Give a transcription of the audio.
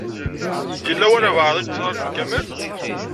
Yella walebɛaḍ i yettṛaju Kamal.